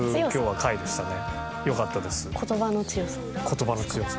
言葉の強さ？